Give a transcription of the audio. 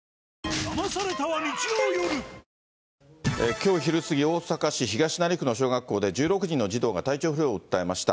きょう昼過ぎ、大阪市東成区の小学校で、１６人の児童が体調不良を訴えました。